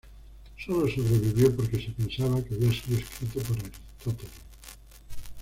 Solo sobrevivió porque se pensaba que había sido escrito por Aristóteles.